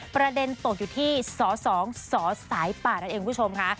ประเด็นตกอยู่ที่สอสองสสายปาร์ตทันเองผู้ชมค่ะ